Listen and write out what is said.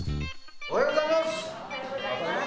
おはようございます！